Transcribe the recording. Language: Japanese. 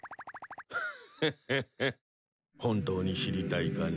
フッフッフッ本当に知りたいかね？